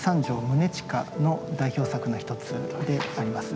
宗近の代表作の一つであります。